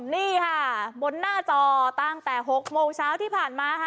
นี่ค่ะบนหน้าจอตั้งแต่๖โมงเช้าที่ผ่านมาค่ะ